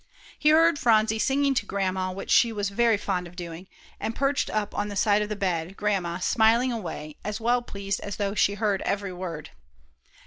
He heard Phronsie singing to Grandma, which she was very fond of doing, and perched up on the side of the bed, Grandma smiling away, as well pleased as though she heard every word.